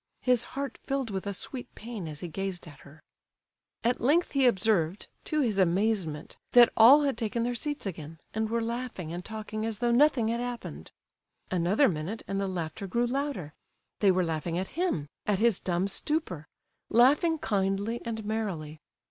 His heart filled with a sweet pain as he gazed at her. At length he observed, to his amazement, that all had taken their seats again, and were laughing and talking as though nothing had happened. Another minute and the laughter grew louder—they were laughing at him, at his dumb stupor—laughing kindly and merrily.